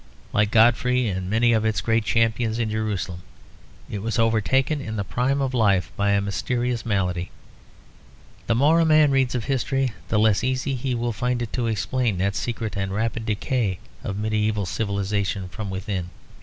Like Godfrey and many of its great champions in Jerusalem, it was overtaken in the prime of life by a mysterious malady. The more a man reads of history the less easy he will find it to explain that secret and rapid decay of medieval civilisation from within.